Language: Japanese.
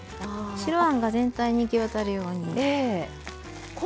白あんが全体に行き渡るように。